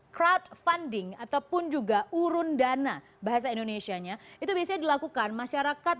crowdfunding ataupun juga urun dana bahasa indonesia nya itu biasanya dilakukan masyarakat